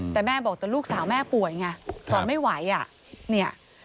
แต่แม่บอกแต่ลูกสาวแม่ป่วยไงสอนไม่ไหว